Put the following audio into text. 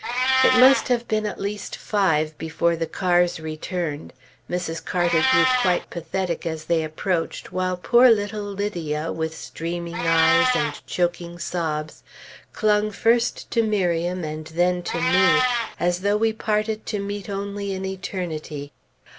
It must have been at least five before the cars returned. Mrs. Carter grew quite pathetic as they approached, while poor little Lydia, with streaming eyes and choking sobs, clung first to Miriam and then to me, as though we parted to meet only in eternity.